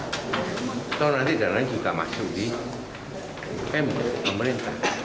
setelah nanti dana ini juga masuk di pemerintah